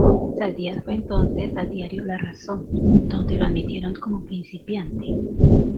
Saldías fue entonces al diario "La Razón", donde lo admitieron como principiante.